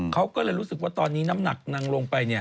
เขาก็เลยรู้สึกว่าตอนนี้น้ำหนักนางลงไป